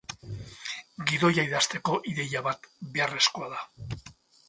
Gidoia idazteko ideia bat beharrezkoa da.